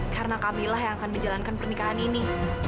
karena kamilah yang akan menjalankan pernikahan ini